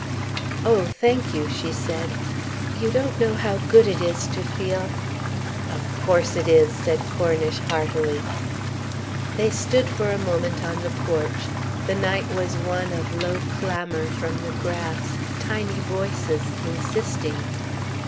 "Oh, thank you," she said. "You don't know how good it is to feel " "Of course it is," said Cornish heartily. They stood for a moment on the porch. The night was one of low clamour from the grass, tiny voices, insisting.